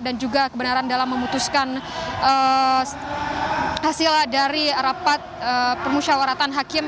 dan juga kebenaran dalam memutuskan hasil dari rapat permusyawaratan hakim